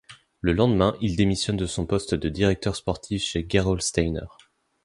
Le lendemain, il démissionne de son poste de directeur sportif chez Gerolsteiner.